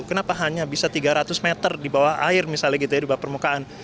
kenapa hanya bisa tiga ratus meter di bawah air misalnya gitu ya di bawah permukaan